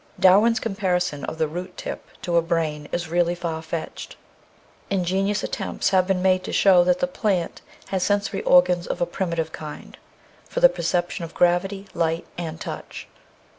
Darwin's comparison of the root tip to a brain is really far fetched. Ingenious attempts have been made to show that the plant has sensory organs of a primitive kind, for the perception of gravity, light, and touch.